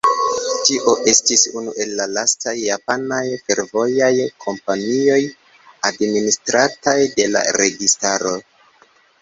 Tio estis unu el la lastaj japanaj fervojaj kompanioj, administrataj de la registaro.